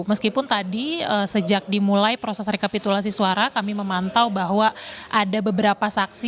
meskipun tadi sejak dimulai proses rekapitulasi suara kami memantau bahwa ada beberapa saksi